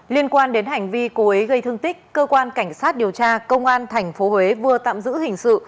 liên quan đến hành vi cố ý gây thương tích cơ quan cảnh sát điều tra công an tp huế vừa tạm giữ hình sự